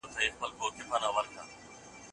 د صبر ساه مې په سکېدو شوه ته به کله راځې